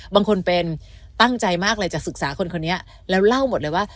บางคนเป็นตั้งใจมากเลยจะศึกษาคนคนนี้แล้วเล่าหมดเลยว่า